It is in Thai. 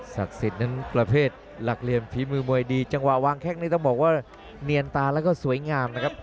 ศักดิ์สิทธิ์นั้นประเภทหลักเลียนพีมือ๖๒จังหวะวางแคล่งนี้ต้องบอกว่านีละตาสวยงามครับ